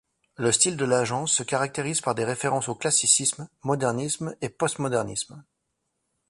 Le style de l'agence se caractérise par des références au classicisme, modernisme et postmodernisme.